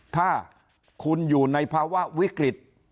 ถ้าคุณอยู่ในภาวะวิกฤต